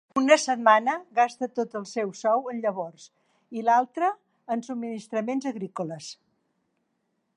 Una setmana gasta tot el seu sou en llavors i altre en subministraments agrícoles.